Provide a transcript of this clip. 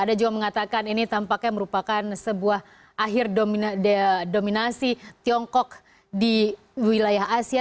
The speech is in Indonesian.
ada juga mengatakan ini tampaknya merupakan sebuah akhir dominasi tiongkok di wilayah asia